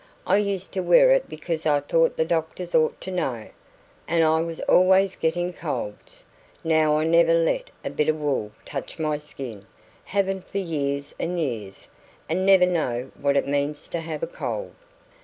I used to wear it because I thought the doctors ought to know, and I was always getting colds. Now I never let a bit of wool touch my skin haven't for years and years and never know what it means to have a cold."